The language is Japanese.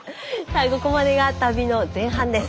ここまでが旅の前半です。